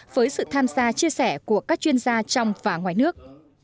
với sự tham gia chia sẻ của các chuyên gia trong và ngoài nước